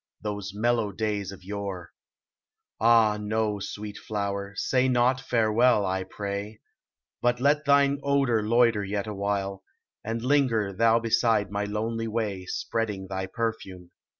Those mellow days of yore. Ah, no, sweet flower, say not farewell. I pray ; Rut let thine odor loiter yet a while, And linger thou beside my lonely way, Spreading thy perfume.